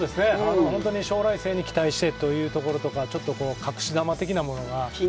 将来性に期待してというところとか、ちょっと隠し球的なものが。